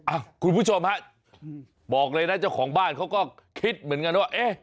คุณผู้ชมฮะบอกเลยนะเจ้าของบ้านเขาก็คิดเหมือนกันว่าเอ๊ะ